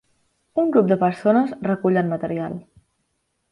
Un grup de persones recullen material.